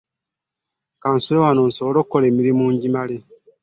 Kansule wano nsobole okkola emirimu ngimale.